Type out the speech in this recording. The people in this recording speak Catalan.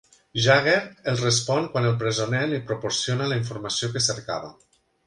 Jagger els respon quan el presoner li proporciona la informació que cercava.